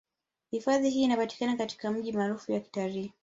Hifadhi hii inapatikana katika mji maarufu wa Kitalii